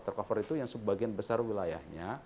tercover itu yang sebagian besar wilayahnya